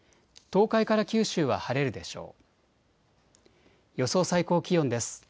東海から九州は晴れるでしょう。